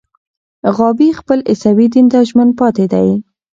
غابي خپل عیسوي دین ته ژمن پاتې دی.